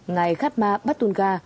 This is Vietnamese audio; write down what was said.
ngài khát ma bát tuân ga